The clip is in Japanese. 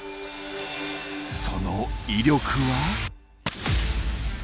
その威力は。